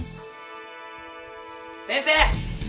先生！